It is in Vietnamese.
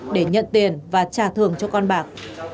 để nhận tiền và trả thưởng cho con bạc